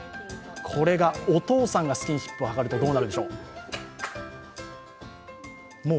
これがお父さんがスキンシップを図るとどうなるのでしょう？